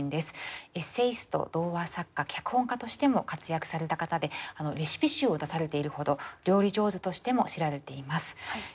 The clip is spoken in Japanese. エッセイスト童話作家脚本家としても活躍された方でレシピ集を出されているほど料理上手としても知られています。